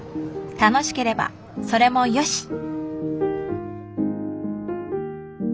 楽しければそれもよし。